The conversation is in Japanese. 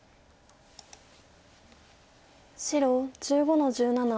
白１５の十七。